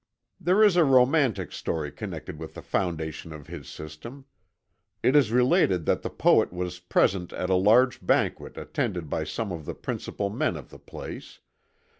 There is a romantic story connected with the foundation of his system. It is related that the poet was present at a large banquet attended by some of the principal men of the place.